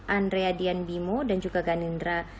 andrea dian bimo dan juga ganindra